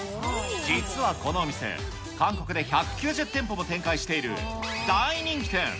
実はこの店、韓国で１９０店舗も展開している大人気店。